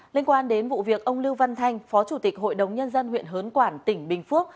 liên quan đến vụ việc ông lưu văn thanh phó chủ tịch hội đồng nhân dân huyện hớn quản tỉnh bình phước